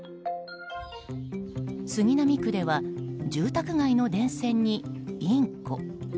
杉並区では住宅街の電線にインコ。